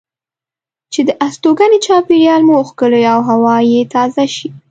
چې د استوګنې چاپیریال مو ښکلی او هوا یې تازه شي.